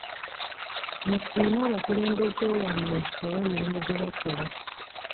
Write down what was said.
Musiime abakulembeze bamwe olw'emirimu gye bakola.